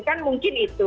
kan mungkin itu